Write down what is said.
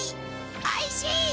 おいしい！